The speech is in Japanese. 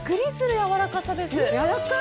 やわらかい。